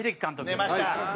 出ました！